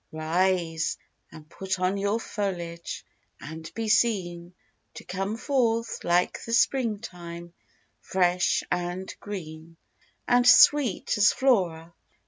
Rise; and put on your foliage, and be seen To come forth, like the Spring time, fresh and green, And sweet as Flora.